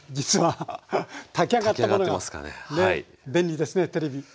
便利ですねテレビ。